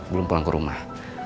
belum pulang ke rumah